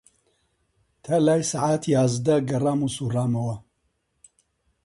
تا لای سەعات یازدە گەڕام و سووڕامەوە